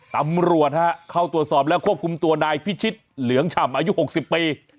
ตำรวจฮะเข้าตรวจสอบและควบคุมตัวนายพิชิตเหลืองฉ่ำอายุ๖๐ปี